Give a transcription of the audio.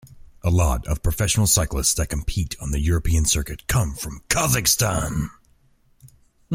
A lot of professional cyclists that compete on the European circuit come from Kazakhstan.